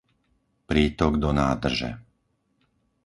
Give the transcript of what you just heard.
prítok do nádrže